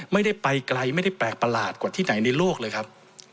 ไม่ได้ไปไกลไม่ได้แปลกประหลาดกว่าที่ไหนในโลกเลยครับ